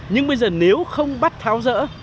nhưng bây giờ nếu không bắt tháo rỡ